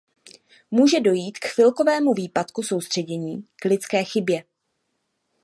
Může dojít k chvilkovému výpadku soustředění, k lidské chybě.